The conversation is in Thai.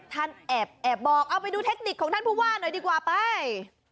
ท่านแอบบอกเอาไปดูเทคนิคของท่านผู้ว่าหน่อยดีกว่าไป